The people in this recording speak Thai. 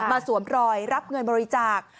สวมรอยรับเงินบริจาค